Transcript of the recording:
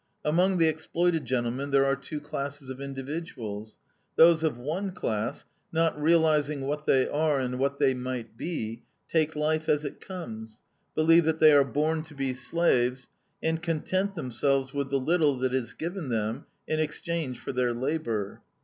"Among the exploited, gentlemen, there are two classes of individuals: Those of one class, not realizing what they are and what they might be, take life as it comes, believe that they are born to be slaves, and content themselves with the little that is given them in exchange for their labor.